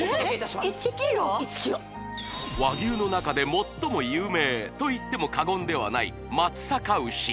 １ｋｇ和牛の中で最も有名といっても過言ではない松阪牛